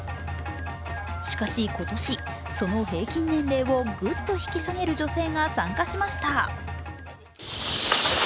しかし今年、その平均年齢をぐっと引き下げる女性が参加しました。